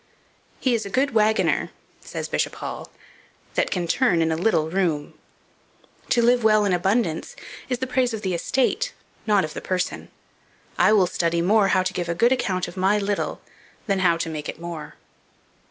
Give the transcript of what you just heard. "He is a good waggoner," says Bishop Hall, "that can turn in a little room. To live well in abundance is the praise of the estate, not of the person. I will study more how to give a good account of my little, than how to make it more."